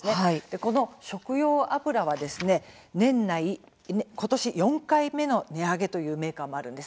この食用油は年内ことし４回目の値上げというメーカーもあるんです。